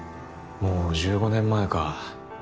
もう１５年前か。